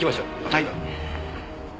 はい。